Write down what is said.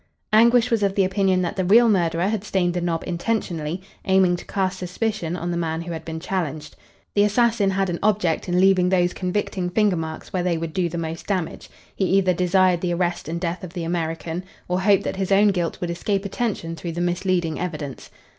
Anguish was of the opinion that the real murderer had stained the knob intentionally, aiming to cast suspicion on the man who had been challenged. The assassin had an object in leaving those convicting finger marks where they would do the most damage. He either desired the arrest and death of the American or hoped that his own guilt would escape attention through the misleading evidence.